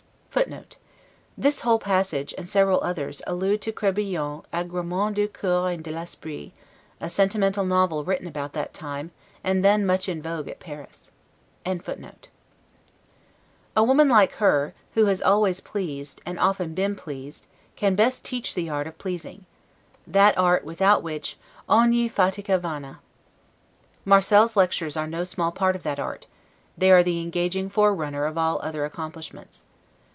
[This whole passage, and several others, allude to Crebillon's 'Egaremens du Coeur et de l'Esprit', a sentimental novel written about that time, and then much in vogue at Paris.] A woman like her, who has always pleased, and often been pleased, can best teach the art of pleasing; that art, without which, 'ogni fatica vana'. Marcel's lectures are no small part of that art: they are the engaging forerunner of all other accomplishments.